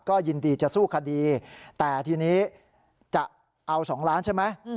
ก็ยินดีจะสู้คดีแต่ทีนี้จะเอา๒ล้านใช่ไหม